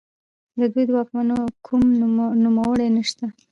د دوی د واکمنو کوم نوملړ نشته